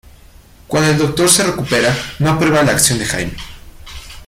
Cuando el Doctor se recupera no aprueba la acción de Jamie.